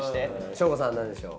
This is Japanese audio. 翔吾さんなんでしょう。